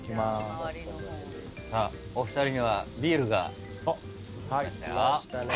さあお二人にはビールが来ましたよ。